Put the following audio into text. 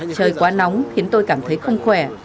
trời quá nóng khiến tôi cảm thấy không khỏe